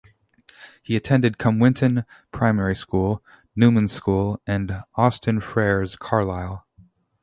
He attended Cumwhinton Primary School, Newman School and Austin Friars, Carlisle.